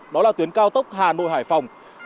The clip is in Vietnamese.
đó là tuyến cao tốc hà nội hải phòng